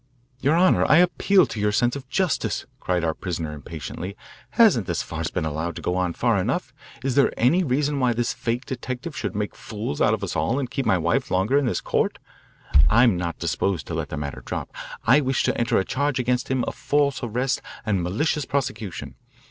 "Your honour, I appeal to your sense of justice," cried our prisoner impatiently. "Hasn't this farce been allowed to go far enough? Is there any reason why this fake detective should make fools out of us all and keep my wife longer in this court? I'm not disposed to let the matter drop. I wish to enter a charge against him of false arrest and malicious prosecution.